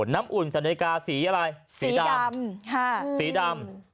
น้ำอุ่นสันนิกาสีอะไรสีดำสีดำ